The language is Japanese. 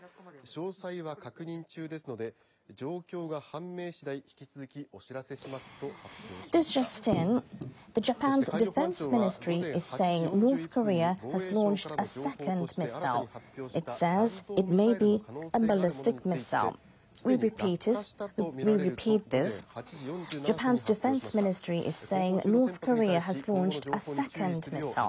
詳細は確認中ですので状況が判明しだい引き続きお知らせしますと発表しました。